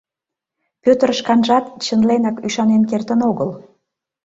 Пӧтыр шканжат чынленак ӱшанен кертын огыл.